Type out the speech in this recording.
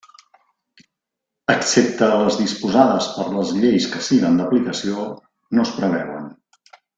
Excepte les disposades per les lleis que siguen d'aplicació, no es preveuen.